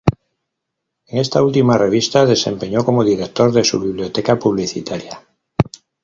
En esta última revista desempeñó como director de su Biblioteca Publicitaria.